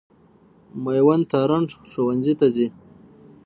مېوند تارڼ ښوونځي ته ځي.